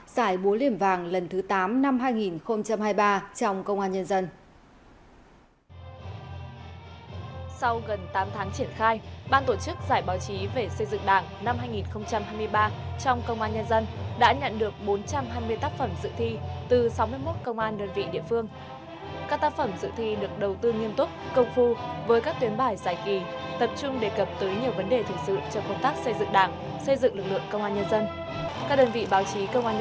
giải bố liềm vàng lần thứ tám năm hai nghìn hai mươi ba trong công an nhân dân